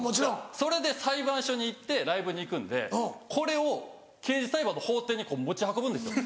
それで裁判所に行ってライブに行くんでこれを刑事裁判の法廷にこう持ち運ぶんですよ。